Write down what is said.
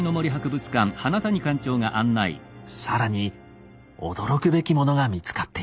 更に驚くべきものが見つかっています。